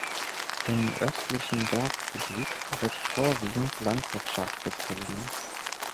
In östlichen Berggebiet wird vorwiegend Landwirtschaft betrieben.